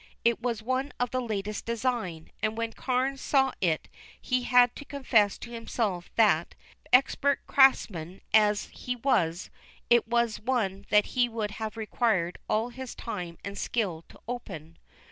It was of the latest design, and when Carne saw it he had to confess to himself that, expert craftsman as he was, it was one that would have required all his time and skill to open.